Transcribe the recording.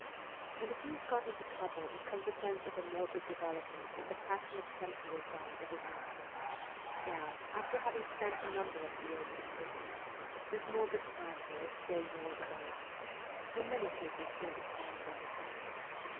And if he has got into trouble in consequence of a morbid development of the passionate sensual side of his nature, now, after having spent a number of years in prison, this morbid character is still more developed in many cases to an appalling extent.